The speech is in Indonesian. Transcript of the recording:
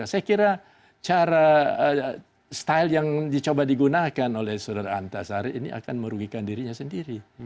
saya kira cara style yang dicoba digunakan oleh saudara antasari ini akan merugikan dirinya sendiri